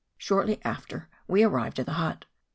Shortly after we arrived at the hut.